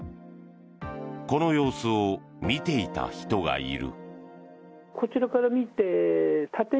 この様子を見ていた人がいる。